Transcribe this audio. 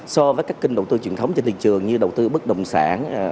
so với các kênh đầu tư truyền thống trên thị trường như đầu tư bất đồng sản